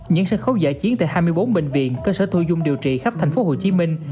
những sân khấu giải chiến tại hai mươi bốn bệnh viện cơ sở thu dung điều trị khắp thành phố hồ chí minh